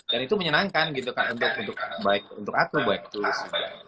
dan itu menyenangkan gitu untuk aku baik terus